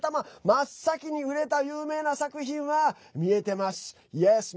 真っ先に売れた有名な作品は見えてます、イエス。